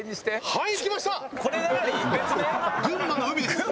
はい。